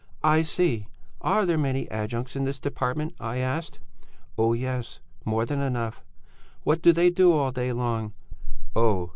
"'I see! Are there many adjuncts in this department?' I asked. "'Oh, yes! More than enough!'" "'What do they do all day long?'" "'Oh!